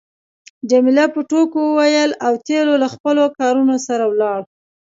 جميله په ټوکو وویل اوتیلو له خپلو کارونو سره ولاړ.